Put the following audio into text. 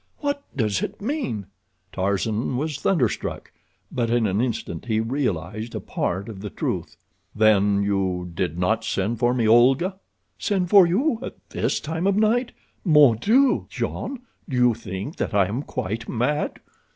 What does it mean?" Tarzan was thunderstruck, but in an instant he realized a part of the truth. "Then you did not send for me, Olga?" "Send for you at this time of night? Mon Dieu! Jean, do you think that I am quite mad?"